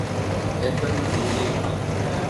Esto es muy común en España.